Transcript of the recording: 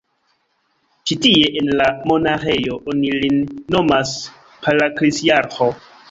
Ĉi tie, en la monaĥejo, oni lin nomas paraklisiarĥo.